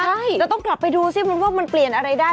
ใช่แต่ต้องกลับไปดูสิมันว่ามันเปลี่ยนอะไรได้